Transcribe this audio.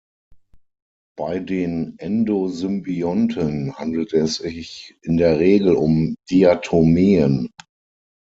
Bei den Endosymbionten handelt es sich in der Regel um Diatomeen.